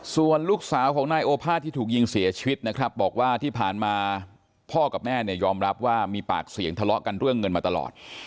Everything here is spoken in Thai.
ส่วนลูกสาวของนายโอภาษที่ถูกยิงเสียชีวิตนะครับบอกว่าที่ผ่านมาพ่อกับแม่เนี่ยยอมรับว่ามีปากเสียงทะเลาะกันเรื่องเงินมาตลอด